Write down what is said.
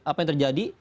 apa yang terjadi